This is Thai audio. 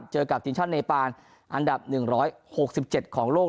เจอกับทีมชาติเนปานอันดับ๑๖๗ของโลก